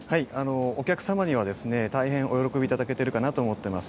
お客様には大変お喜びいただけてるかなと思っております。